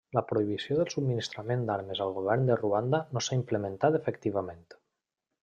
La prohibició del subministrament d'armes al govern de Ruanda no s'ha implementat efectivament.